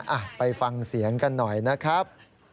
อ่ะไปฟังเสียงกันหน่อยนะครับ